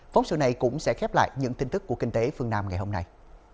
phóng sự này cũng sẽ khép lại những tin tức của kinh tế phương nam ngày hôm nay